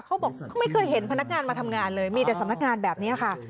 เขาบอกเขาไม่เคยเห็นพนักงานมาทำงานเลยมีแต่สำนักงานแบบนี้ค่ะ